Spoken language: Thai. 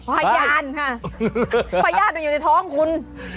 พญาติพญาติอยู่ในท้องคุณ